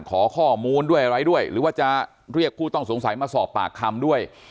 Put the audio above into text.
ขอข้อมูลด้วยอะไรด้วยหรือว่าจะเรียกผู้ต้องสงสัยมาสอบปากคำด้วย